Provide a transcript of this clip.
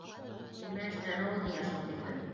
Нимә эшләне ул һиңә шул тиклем?